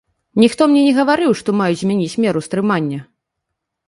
Ніхто мне не гаварыў, што маюць змяніць меру стрымання.